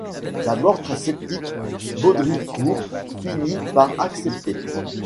D'abord très sceptique, Baudricourt finit par accepter.